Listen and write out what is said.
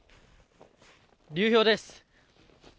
流氷です。